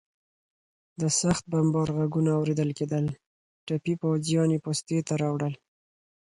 د سخت بمبار غږونه اورېدل کېدل، ټپي پوځیان یې پوستې ته راوړل.